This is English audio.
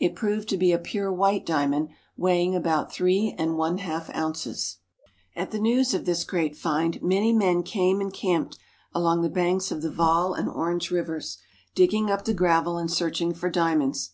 It proved to be a pure white diamond, , weighing about three and one half ounces. 298 AFRICA At the news of this great find, many men came and camped along the banks of the Vaal and Orange rivers, digging up the gravel and searching for diamonds.